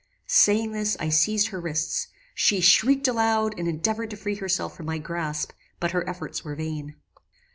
Saying this I seized her wrists. She shrieked aloud, and endeavoured to free herself from my grasp; but her efforts were vain.